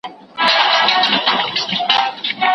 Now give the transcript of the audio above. ستا خو په خزان پسي بهار دی بیا به نه وینو